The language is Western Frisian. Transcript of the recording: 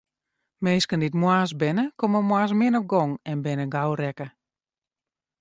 Minsken dy't moarnsk binne, komme moarns min op gong en binne gau rekke.